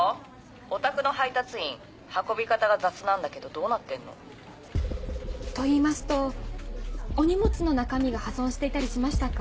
おたくの配達員運び方が雑なんだけどどうなってんの？といいますとお荷物の中身が破損していたりしましたか？